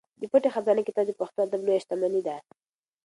د پټې خزانې کتاب د پښتو ادب لویه شتمني ده.